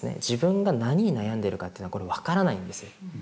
自分が何に悩んでるかというのはこれ分からないんです。